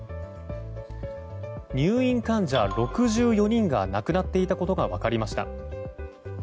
入院患者６４人が亡くなっていたことが分かりました。